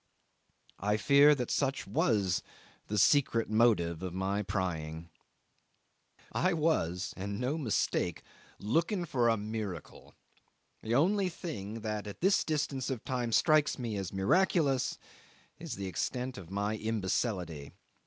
I fear that such was the secret motive of my prying. I was, and no mistake, looking for a miracle. The only thing that at this distance of time strikes me as miraculous is the extent of my imbecility.